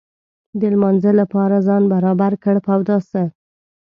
د لمانځه لپاره ځان برابر کړ په اوداسه.